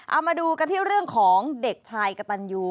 เอามาดูกันที่เรื่องของเด็กชายกระตันยู